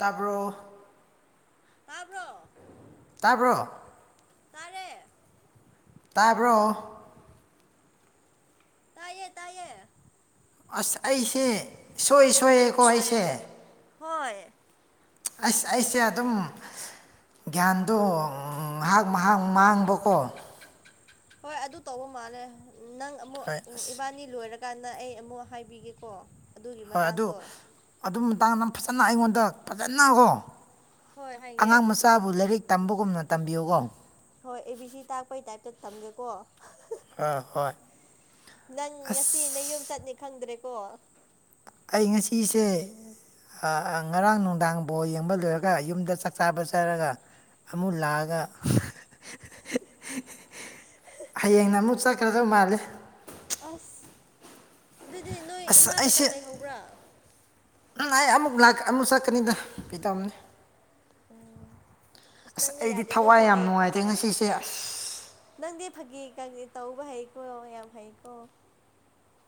ꯇꯥꯕ꯭ꯔꯣ ꯇꯥꯕ꯭ꯔꯣ ꯇꯥꯕ꯭ꯔꯣ ꯇꯥꯔꯦ ꯇꯥꯕ꯭ꯔꯣ ꯇꯥꯏꯌꯦ ꯇꯥꯏꯌꯦ ꯑꯁ ꯑꯩꯁꯦ ꯁꯣꯏ ꯁꯣꯏꯌꯦꯀꯣ ꯑꯩꯁꯦ ꯍꯣꯏ ꯑꯁ ꯑꯩꯁꯦ ꯑꯗꯨꯝ ꯒ꯭ꯌꯥꯟꯗꯣ ꯉꯥꯏꯍꯥꯛ ꯃꯥꯡꯕꯀꯣ ꯍꯣꯏ ꯑꯗꯨ ꯇꯧꯕ ꯃꯥꯜꯂꯦ ꯅꯪ ꯑꯃꯨꯛ ꯍꯣꯏ ꯑꯁ ꯏꯕꯥꯅꯤ ꯂꯣꯏꯔ ꯀꯥꯟꯅ ꯑꯩ ꯑꯃꯨꯛ ꯍꯥꯏꯕꯤꯒꯦꯀꯣ ꯑꯗꯨꯒꯤ ꯍꯣꯏ ꯑꯗꯨ ꯃꯇꯥꯡꯗꯣ ꯑꯗꯨ ꯃꯇꯥꯡꯗ ꯐꯖꯅ ꯑꯩꯉꯣꯟꯗ ꯐꯖꯅꯀꯣ ꯍꯣꯏ ꯍꯥꯏꯒꯦ ꯑꯉꯥꯡ ꯃꯆꯥꯕꯨ ꯂꯥꯏꯔꯤꯛ ꯇꯝꯕꯒꯨꯝꯅ ꯇꯝꯕꯤꯌꯨꯀꯣ ꯍꯣꯏ ꯑꯦ ꯕꯤ ꯁꯤ ꯇꯥꯛꯄꯩ ꯇꯥꯏꯞꯇ ꯊꯝꯒꯦꯀꯣ ꯑ ꯍꯣꯏ ꯅꯪ ꯉꯁꯤ ꯅ ꯌꯨꯝ ꯑꯁ ꯆꯠꯅꯤ ꯈꯪꯗ꯭ꯔꯦꯀꯣ ꯑꯩ ꯉꯁꯤꯁꯦ ꯉꯔꯥꯡ ꯅꯨꯡꯗꯥꯡꯐꯥꯎ ꯌꯦꯡꯕ ꯂꯣꯏꯔꯒ ꯌꯨꯝꯗ ꯆꯥꯛ ꯆꯥꯕ ꯆꯥꯔꯒ ꯑꯃꯨꯛ ꯂꯥꯛꯒ ꯍꯌꯦꯡꯅ ꯑꯃꯨꯛ ꯆꯠꯈ꯭ꯔꯒ ꯃꯥꯜꯂꯦ ꯑꯁ ꯑꯗꯨꯗꯤ ꯅꯣꯏ ꯑꯁ ꯏꯃꯥ ꯑꯩꯁꯦ ꯈꯛꯇꯪ ꯂꯩꯍꯧꯕ꯭ꯔꯥ ꯑꯩ ꯑꯃꯨꯛ ꯑꯃꯨꯛ ꯆꯠꯀꯅꯤꯗ ꯀꯤ ꯇꯕꯅꯤ ꯎꯝ ꯑꯁ ꯅꯪꯗꯤ ꯑꯩꯗꯤ ꯌꯥꯗꯦꯀꯣ ꯊꯋꯥꯏ ꯌꯥꯝ ꯐꯥꯒꯤ ꯅꯨꯡꯉꯥꯏꯇꯦ ꯉꯁꯤꯁꯦ ꯑꯁ ꯐꯥꯒꯤꯦ ꯀꯦ ꯇꯧꯕ ꯍꯩꯀꯣ ꯌꯥꯝ ꯍꯩꯀꯣ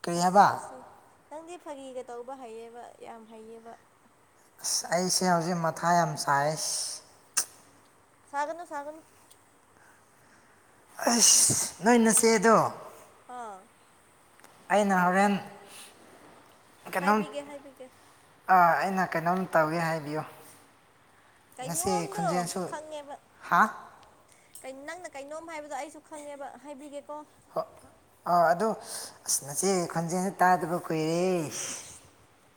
ꯀꯔꯤ ꯍꯥꯏꯕ ꯑꯁ ꯑꯁꯤ ꯅꯪꯗꯤ ꯐꯥꯒꯤꯒ ꯇꯧꯕ ꯍꯩꯌꯦꯕ ꯌꯥꯝ ꯍꯩꯌꯦꯕ ꯑꯁ ꯑꯩꯁꯦ ꯍꯧꯖꯤꯛ ꯃꯊꯥ ꯌꯥꯝ ꯁꯥꯏ ꯁꯥꯒꯅ ꯁꯥꯒꯅ ꯑꯁ ꯅꯣꯏ ꯅ ꯆꯦꯗꯣ ꯑꯥ ꯑꯩꯅ ꯍꯣꯔꯦꯟ ꯀꯩꯅꯣꯝ ꯍꯥꯏꯕꯤꯒꯦ ꯍꯥꯏꯕꯤꯒꯦ ꯑꯥ ꯑꯩꯅ ꯀꯩꯅꯣꯝ ꯇꯧꯋꯦ ꯍꯥꯏꯕꯤꯌꯨ ꯉꯁꯤ ꯀꯩꯅꯣꯝꯗꯣ ꯈꯨꯟꯖꯦꯟꯁꯨ ꯈꯪꯉꯦꯕ ꯍꯥ ꯅꯪꯅ ꯀꯩꯅꯣꯝ ꯍꯥꯏꯕꯗꯣ ꯑꯩꯁꯨ ꯈꯪꯉꯦꯕ ꯍꯥꯏꯕꯤꯒꯦꯀꯣ ꯍꯣ ꯑ ꯑꯗꯨꯗꯣ ꯑꯁ ꯅ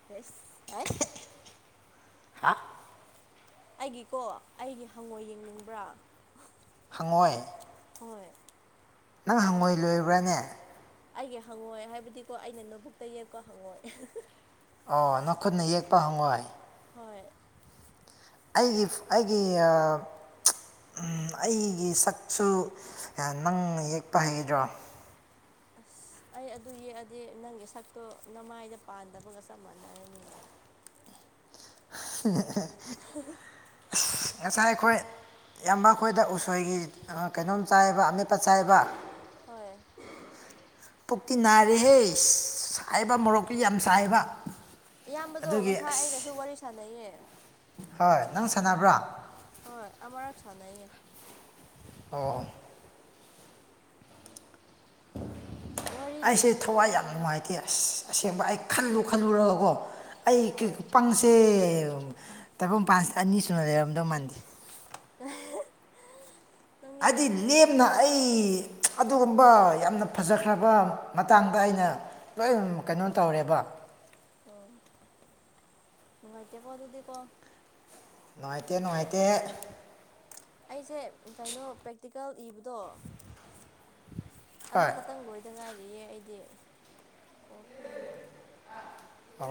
ꯔꯁ ꯔꯥꯏꯁ ꯍꯥ ꯑꯩꯒꯤꯀꯣ ꯑꯩꯒꯤ ꯍꯪꯉꯣꯏ ꯌꯦꯡꯅꯤꯡꯕ꯭ꯔꯥ ꯍꯪꯉꯣꯏ ꯍꯣꯏ ꯅꯪ ꯍꯪꯉꯣꯏ ꯂꯣꯏꯕ꯭ꯔꯥꯅꯦ ꯑꯩꯒꯤ ꯍꯪꯉꯣꯏ ꯍꯥꯏꯕꯗꯤꯀꯣ ꯑꯩꯅ ꯅꯣꯕꯨꯛꯇ ꯌꯦꯛꯄ ꯍꯪꯉꯣꯏ ꯑꯣ ꯅꯈꯨꯠꯅ ꯌꯦꯛꯄ ꯍꯪꯉꯣꯏ ꯍꯣꯏ ꯑꯩꯒꯤ ꯑꯩꯒꯤ ꯑꯩꯒꯤ ꯁꯛꯁꯨ ꯅꯪꯅ ꯌꯦꯛꯄ ꯍꯩꯒꯗ꯭ꯔꯣ [inaudible] ꯑꯁ ꯑꯩ ꯑꯗꯨ ꯌꯦꯛꯑꯗꯤ ꯅꯪꯒꯤ ꯁꯛꯇꯣ ꯅꯃꯥꯏꯗ ꯄꯥꯟꯗꯕꯒ ꯆꯞ ꯃꯥꯟꯅꯔꯅꯤꯅꯦ [inaudible] ꯑ [unintelligible] ꯉꯁꯥꯏ ꯑꯩꯈꯣꯏ ꯌꯥꯝ ꯃꯈꯣꯏꯗ ꯎꯁꯣꯏꯒꯤ ꯀꯩꯅꯣꯝ ꯆꯥꯏꯕ ꯑꯃꯦꯠꯄ ꯆꯥꯏꯕ ꯍꯣꯏ ꯄꯨꯛꯇꯤ ꯅꯥꯔꯦꯍꯦ ꯁꯥꯏꯕ ꯃꯣꯔꯣꯛꯇꯨ ꯌꯥꯝ ꯁꯥꯏꯕ ꯏꯌꯥꯝꯕꯗꯣ ꯑꯗꯨꯒꯤ ꯉꯁꯥꯏ ꯑꯩꯒꯁꯨ ꯑꯁ ꯋꯥꯔꯤ ꯁꯥꯟꯅꯩꯌꯦ ꯍꯣꯏ ꯅꯪ ꯁꯥꯟꯅꯕ꯭ꯔꯥ ꯍꯣꯏ ꯑꯛ ꯁꯥꯟꯅꯌꯦ ꯑꯣ ꯋꯥꯔꯤ ꯑꯩꯁꯦ ꯂꯩꯇꯦꯗ ꯊꯋꯥꯏ ꯌꯥꯝ ꯏꯕꯥꯅꯤꯗꯣ ꯅꯨꯡꯉꯥꯏꯇꯦ ꯑꯁ ꯑꯁꯦꯡꯕ ꯑꯩ ꯈꯜꯂꯨ ꯈꯜꯂꯨꯔꯒꯀꯣ ꯑꯩ ꯍꯣꯏ ꯄꯪꯁꯦ ꯇꯥꯏꯕ ꯃꯄꯥꯟꯁꯤꯗ ꯑꯅꯤ ꯁꯨꯅ ꯂꯩꯔꯝꯗꯧ ꯃꯥꯟꯗꯦ [unintelligible] ꯍꯥꯏꯗꯤ ꯐꯩꯌꯦꯗ ꯂꯦꯝꯅ ꯑꯩ ꯑꯗꯨꯒꯨꯝꯕ ꯌꯥꯝꯅ ꯐꯖꯈ꯭ꯔꯕ ꯃꯇꯥꯡꯗ ꯑꯩꯅ ꯂꯣꯏ ꯀꯩꯅꯣ ꯇꯧꯔꯦꯕ ꯑꯣ ꯅꯨꯡꯉꯥꯏꯇꯦꯀꯣ ꯑꯗꯨꯗꯤꯀꯣ ꯅꯨꯡꯉꯥꯏꯇꯦ ꯅꯨꯡꯉꯥꯏꯇ ꯑꯩꯁꯦ ꯀꯩꯅꯣ ꯄ꯭ꯔꯦꯛꯇꯤꯀꯦꯜ ꯏꯕꯗꯣ ꯍꯣꯏ ꯑꯃꯈꯛꯇꯪ ꯂꯣꯏꯗ ꯉꯥꯏꯔꯤꯌꯦ ꯑꯩꯗꯤ ꯀꯣ ꯑ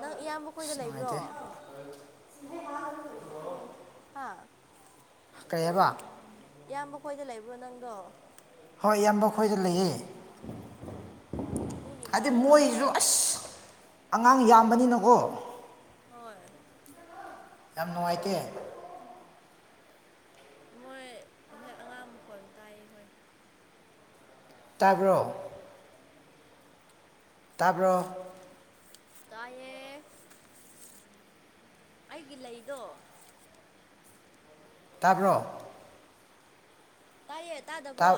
ꯅꯪ ꯏꯌꯥꯝꯕ ꯈꯣꯏꯗ ꯂꯩꯕ꯭ꯔꯣ ꯅꯨꯡꯉꯥꯏꯇꯦ ꯁꯤ ꯍꯥꯥ ꯐ ꯀ꯭ꯔꯦ ꯍꯥꯏꯕ ꯏꯌꯥꯝꯕ ꯀꯣꯏꯗ ꯂꯩꯕ꯭ꯔꯣ ꯅꯪꯗꯣ ꯍꯣꯏ ꯏꯌꯥꯝꯕ ꯑꯩ ꯈꯣꯏꯗ ꯂꯩꯌꯦ ꯑꯣ ꯑꯗꯨꯒꯤ ꯍꯥꯏꯗꯤ ꯃꯥꯜꯂꯦꯅꯦ ꯏꯌꯥ ꯃꯣꯏꯁꯨ ꯑꯁ ꯑꯉꯥꯡ ꯌꯥꯝꯕꯅꯤꯅꯀꯣ ꯍꯣꯏ ꯌꯥꯝ ꯅꯨꯡꯉꯥꯏꯇꯦ ꯃꯣꯏ ꯍꯣꯏ ꯑꯉꯥꯡ ꯃꯈꯣꯟ ꯇꯥꯏꯌꯦ ꯍꯣꯏ ꯇꯥꯕ꯭ꯔꯣ ꯇꯥꯄ ꯇꯑꯌꯦꯦ ꯑꯩꯒꯤ ꯂꯩꯗꯣ ꯇꯥꯕ꯭ꯔꯣ ꯇꯥꯏꯌꯦ ꯇꯥꯗꯕ꯭ꯔꯣ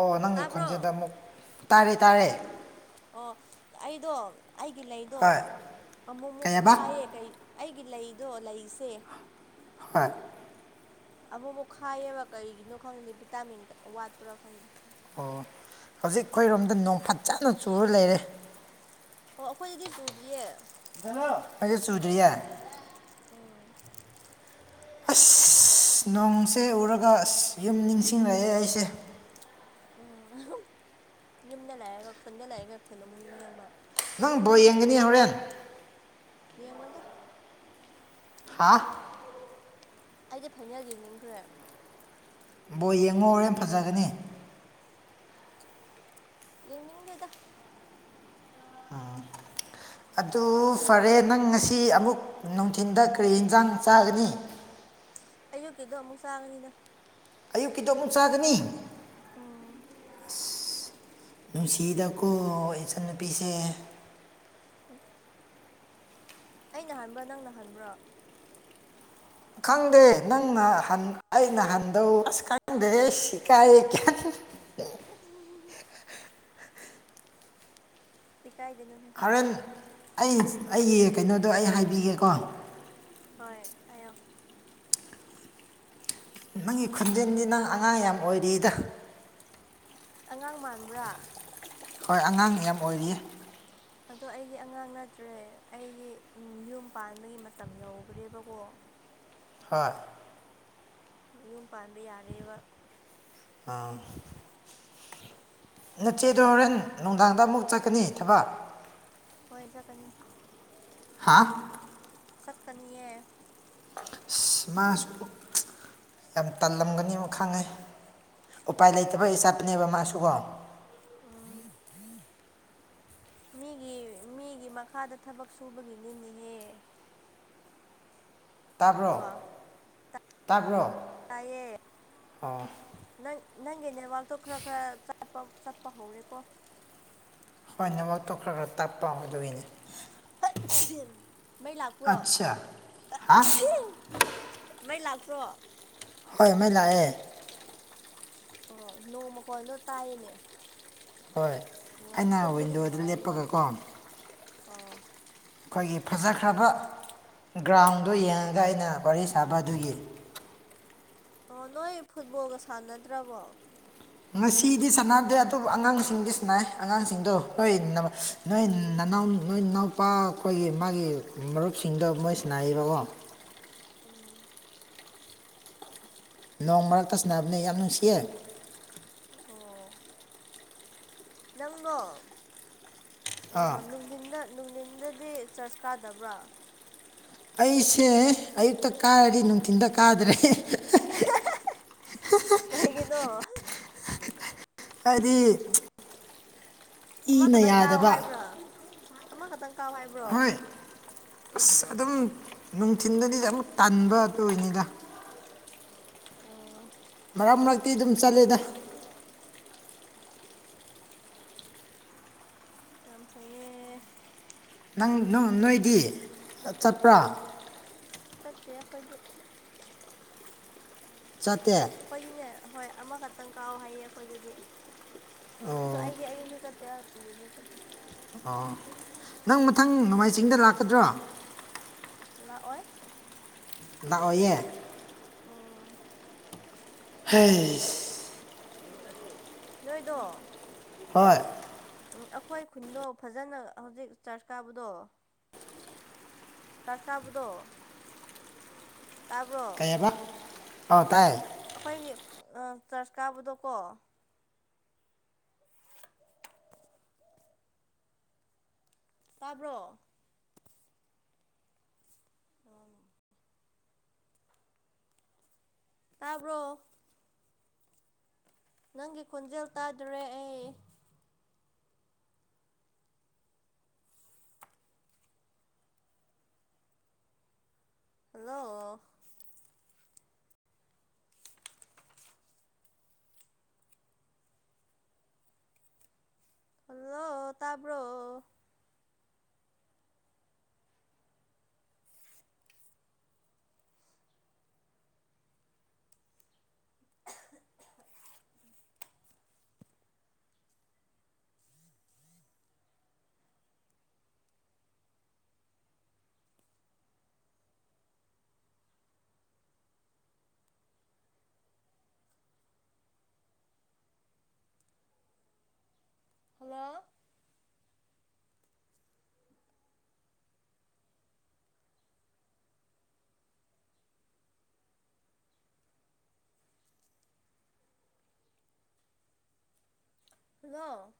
ꯑꯣ ꯅꯪꯒꯤ ꯇꯥꯕ꯭ꯔꯣ ꯈꯨꯣꯟꯖꯗ ꯑꯃꯨꯛ ꯇꯥꯔꯦ ꯇꯥꯔꯦ ꯑꯣ ꯑꯩꯗꯣ ꯑꯩꯒꯤ ꯂꯩꯗꯣ ꯍꯣꯏ ꯑꯃꯨꯛ ꯀꯩ ꯑꯃꯨꯛ ꯍꯥꯏꯕ ꯈꯥꯏꯌꯦ ꯀꯩ ꯑꯩꯒꯤ ꯂꯩꯗꯣ ꯂꯩꯁꯦ ꯍꯣꯏ ꯑꯃꯨꯛ ꯑꯃꯨꯛ ꯈꯥꯏꯌꯦꯕ ꯀꯔꯤꯒꯤꯅꯣ ꯈꯪꯗꯦ ꯚꯤꯇꯥꯃꯤꯟ ꯋꯥꯠꯄ꯭ꯔꯥ ꯈꯪꯗꯦ ꯑꯣ ꯍꯧꯖꯤꯛ ꯑꯩꯈꯣꯏꯔꯣꯝꯗ ꯅꯣꯡꯐꯥꯠ ꯆꯥꯅ ꯆꯨꯔ ꯂꯩꯔꯦ ꯑꯣ ꯑꯩꯈꯣꯏꯗꯗꯤ ꯆꯨꯗ꯭ꯔꯤꯌꯦ ꯑꯩ ꯆꯨꯖꯔꯤꯌꯥ ꯑ ꯑꯁ ꯅꯣꯡꯁꯦ ꯎꯔꯒ ꯑꯁ ꯌꯨꯝ ꯅꯤꯡꯁꯤꯡꯂꯛꯑꯦ ꯑꯩꯁꯦ ꯎꯝ ꯌꯨꯝꯗ ꯂꯥꯛꯑꯒ ꯈꯨꯟꯗ ꯂꯥꯛꯑꯒ ꯈꯨꯟ ꯑꯃꯨꯛ ꯅꯤꯡ ꯌꯦꯡꯕ ꯅꯪ ꯕꯣ ꯌꯦꯡꯒꯅꯤ ꯍꯣꯔꯦꯟ ꯌꯦꯦꯝꯒꯣꯏꯗ ꯍꯥꯥ ꯑꯩꯗꯤ ꯐꯥꯏꯅꯦꯜꯒꯤ ꯏꯅꯤꯡꯈ꯭ꯔꯦꯕ ꯕꯣ ꯌꯦꯡꯉꯣ ꯍꯣꯔꯦꯟ ꯐꯖꯒꯅꯤ ꯌꯦꯃꯤꯝ ꯂꯩꯣꯏꯗ ꯑꯗꯨ ꯐꯔꯦ ꯅꯪ ꯉꯁꯤ ꯑꯃꯨꯛ ꯅꯨꯡꯊꯤꯤꯟꯗ ꯀꯔꯤ ꯌꯦꯟꯁꯥꯡ ꯆꯥꯒꯅꯤ [unintelligible] ꯑꯌꯨꯛꯀꯤꯗꯣ ꯑꯃꯨꯛ ꯆꯥꯉꯅꯤꯅ ꯑꯌꯨꯛꯀꯤꯗꯣ ꯑꯃꯨꯛ ꯆꯥꯒꯅꯤ ꯑꯣ ꯅꯨꯡꯁꯤꯗꯀꯣ ꯏꯆꯟꯟꯅꯨꯄꯤꯁꯦ [unintelligible] ꯑ ꯅ ꯍꯟꯕ꯭ꯔꯥ ꯅꯪ ꯅꯍꯟꯕ꯭ꯔꯣ ꯈꯪꯗꯦ ꯅꯪꯅ ꯑꯩꯅ ꯍꯟꯗꯧ ꯑꯁ ꯈꯪꯗꯦ ꯁꯤ ꯀꯥꯏ ꯈ ꯎ ꯀꯥꯏꯗꯅꯣꯍꯦ ꯍꯣꯔꯦꯟ ꯑꯩ ꯑꯩꯒꯤ ꯀꯩꯅꯣꯗꯣ ꯑꯩ ꯍꯥꯏꯕꯤꯒꯦꯀꯣ ꯍꯣꯏ ꯑꯣ ꯅꯪꯒꯤ ꯈꯣꯟꯖꯟꯗꯤ ꯅꯪ ꯑꯉꯥꯡ ꯌꯥꯝ ꯑꯣꯏꯔꯤꯗ ꯑꯉꯥꯡ ꯃꯥꯟꯕ꯭ꯔꯥ ꯍꯣꯏ ꯑꯉꯥꯡ ꯌꯥꯝ ꯑꯣꯏꯔꯤꯌꯦ ꯑꯗꯣ ꯑꯩꯗꯤ ꯑꯉꯥꯡ ꯅꯠꯇ꯭ꯔꯦ ꯑꯩꯗꯤ ꯌꯨꯝ ꯄꯥꯟꯕꯒꯤ ꯃꯇꯝ ꯌꯈ꯭ꯔꯦꯕꯀꯣ ꯍꯣꯏ ꯌꯨꯝ ꯄꯥꯟꯕ ꯌꯥꯔꯦꯕ ꯑꯥ ꯅꯆꯦꯗꯣ ꯍꯣꯔꯦꯟ ꯅꯨꯡꯗꯥꯡꯗ ꯑꯃꯨꯛ ꯆꯠꯀꯅꯤ ꯊꯕꯛ ꯍꯣꯏ ꯆꯥꯇꯀꯅꯤ ꯍꯥꯞ ꯆꯠꯀꯅꯤꯌꯦ ꯑꯁ ꯃꯥꯁꯨ ꯌꯥꯝ ꯇꯜꯂꯝꯒꯅꯤꯅ ꯈꯪꯉꯦ ꯎꯄꯥꯏ ꯂꯩꯇꯕꯩꯆꯥꯠꯄꯅꯦꯕ ꯃꯥꯁꯨꯀꯣ ꯑ ꯃꯤꯒꯤ ꯃꯤꯒꯤ ꯃꯈꯥꯗ ꯊꯕꯛ ꯁꯨꯕꯒꯤꯅꯤꯅꯤꯍꯦ ꯇꯥꯕ꯭ꯔꯣ ꯇꯥꯕ꯭ꯔꯣ ꯇꯥꯏꯑꯌꯦ ꯑꯣ ꯅꯪ ꯅꯪꯒꯤ ꯅꯦꯠꯋꯥꯛꯇꯣ ꯈꯔ ꯈꯔꯄ ꯆꯠꯄ ꯍꯧꯔꯦꯀꯣ ꯐꯅ ꯂꯧꯥꯎꯊꯣꯛꯈ꯭ꯔꯒ ꯇꯥꯛꯄ ꯑꯃꯗ ꯑꯣꯏꯅꯤ [unintelligible] ꯃꯩ ꯂꯥꯛꯄ꯭ꯔꯣ ꯑꯠꯁꯥ ꯍꯥ ꯃꯩ ꯂꯥꯛꯄ ꯄ꯭ꯔꯣ ꯍꯣꯏ ꯃꯩ ꯂꯥꯛꯑꯦ ꯑꯣ ꯅꯣꯡ ꯃꯀꯣꯟꯗꯣ ꯇꯥꯏꯅꯦ ꯍꯣꯏ ꯑꯩꯅ ꯋꯤꯟꯗꯣꯗ ꯅꯨꯡꯉꯥꯏꯔꯅꯤꯀꯣ ꯂꯦꯞꯄꯒꯀꯣ ꯑꯣ ꯑꯩꯈꯣꯏꯒꯤ ꯐꯖꯈ꯭ꯔꯕ ꯒ꯭ꯔꯥꯎꯟꯗꯨ ꯌꯦꯡꯉꯒ ꯑꯩꯅ ꯋꯥꯔꯤ ꯁꯥꯕ ꯑꯗꯨꯒꯤ ꯑꯣ ꯅꯣꯏ ꯐꯨꯠꯕꯣꯜꯒ ꯁꯥꯟꯅꯗ꯭ꯔꯕꯣ ꯉꯁꯤꯗꯤ ꯁꯥꯟꯅꯗꯦ ꯑꯗꯨꯕꯨ ꯑꯉꯥꯡꯁꯤꯡꯗꯤ ꯁꯅꯥꯏ ꯑꯉꯥꯡꯁꯤꯡꯗꯣ ꯅꯣꯏ ꯅꯣꯏ ꯅꯥꯎ ꯅꯣꯏ ꯏꯅꯥꯎꯄꯥ ꯑꯩꯈꯣꯏꯒꯤ ꯃꯥꯒꯤ ꯃꯔꯨꯞꯁꯤꯡꯗꯣ ꯃꯣꯏ ꯁꯅꯥꯔꯤꯕꯀꯣ ꯎꯝ ꯅꯣꯡ ꯃꯔꯛꯇ ꯁꯟꯅꯕꯅꯦ ꯌꯥꯝ ꯅꯨꯡꯁꯤꯌꯦꯦ ꯑꯣ ꯅꯪꯒꯣ ꯑꯥ ꯅꯨꯡꯊꯤꯟꯗ ꯅꯨꯡꯊꯤꯟꯗꯗꯤ ꯆꯔꯆ ꯀꯥꯗꯕ꯭ꯔꯥ ꯑꯩꯁꯦ ꯑꯌꯨꯛꯇ ꯀꯥꯔꯗꯤ ꯅꯨꯡꯊꯤꯟꯗ ꯀꯥꯗ꯭ꯔꯦ ꯀꯩꯒꯤꯅꯣ ꯍꯥꯏꯔꯤ ꯏꯅ ꯌꯥꯗꯕ ꯑꯃ ꯈꯛꯇꯪ ꯀꯥꯎ ꯍꯥꯏꯕ꯭ꯔꯣ ꯍꯣꯏ ꯑꯁ ꯑꯗꯨꯝ ꯅꯨꯡꯊꯤꯟꯗꯗꯤꯗꯤ ꯑꯃꯨꯛ ꯇꯟꯕ ꯑꯗꯨ ꯑꯣꯏꯅꯤꯗ ꯑꯣ ꯃꯔꯛ ꯃꯔꯛꯇꯤ ꯑꯗꯨꯝ ꯆꯠꯂꯦꯗ ꯑꯐ ꯅꯪ ꯅꯣꯏꯗꯤ ꯆꯠꯄ꯭ꯔꯥ ꯠꯇ ꯑꯩꯈꯣꯏꯗꯤ ꯆꯇꯦꯛ ꯑꯩꯈꯣꯏꯗꯤꯅꯦ ꯍꯣꯏ ꯑꯃꯈꯛꯇꯪ ꯀꯥꯎ ꯍꯥꯏꯌꯦ ꯑꯩꯈꯣꯏꯗꯗꯤ ꯑꯗꯨꯣ ꯑꯣ ꯑꯩꯗꯤ ꯑꯌꯨꯛꯁꯨ ꯆꯠꯇꯦ ꯕꯤꯗ ꯆꯠꯇ [unintelligible] ꯑꯣ ꯅꯪ ꯃꯊꯪ ꯅꯣꯡꯃꯥꯏꯖꯤꯡꯗ ꯂꯥꯛꯀꯗ꯭ꯔꯣ ꯂꯥꯛꯑꯣꯏ ꯂꯛꯑꯣꯏꯌꯦ ꯎꯝ ꯍꯥꯏ ꯅꯣꯏꯗ ꯍꯣꯏ ꯎꯝ ꯑꯩꯈꯣꯏ ꯈꯨꯟꯗꯣ ꯐꯖꯅ ꯍꯧꯖꯤꯛ ꯆꯔꯆ ꯀꯥꯕꯗꯣ ꯆꯠꯀꯥꯕꯗ ꯇꯥꯕ꯭ꯔꯣ ꯑ ꯇꯥꯏ ꯑꯩꯈꯣꯏꯒꯤ ꯆꯔꯆ ꯀꯥꯕꯗꯣꯀꯣ ꯇꯥꯕ꯭ꯔꯣ ꯇꯥꯔꯕꯣ ꯅꯪꯒꯤ ꯈꯣꯟꯖꯦꯜ ꯇꯥꯗ꯭ꯔꯦ ꯑꯩ ꯍꯜꯂꯣ ꯍꯜꯂꯣ ꯇꯥꯕ꯭ꯔꯣ ꯍꯜꯂꯣ ꯂ